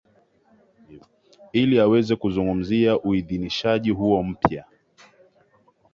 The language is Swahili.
ili aweze kuzungumzia uidhinishaji huo mpya